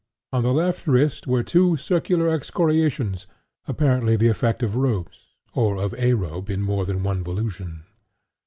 On the left wrist were two circular excoriations, apparently the effect of ropes, or of a rope in more than one volution.